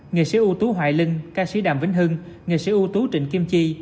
nghệ sĩ ưu tú hoài linh ca sĩ đàm vĩnh hưng nghệ sĩ ưu tú trịnh kim chi